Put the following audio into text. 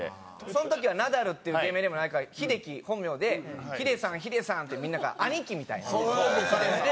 その時はナダルっていう芸名でもないからヒデキ本名で「ヒデさんヒデさん！」ってみんなから兄貴みたいな呼ばれてて。